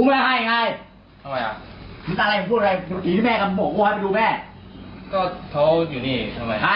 มิดไหนอ่ะอะไรอ่ะผมพูดไอ้ก้าว